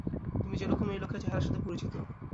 তুমি যেরকম এই লোকের চেহারার সাথে পরিচিত।